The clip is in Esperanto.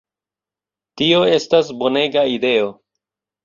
Tio estas bonega ideo!"